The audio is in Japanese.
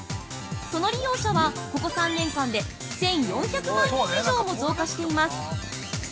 その利用者は、ここ３年間で１４００万人以上も増加しています。